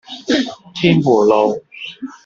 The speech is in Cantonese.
天湖路